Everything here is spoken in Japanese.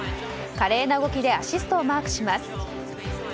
華麗な動きでアシストをマークします。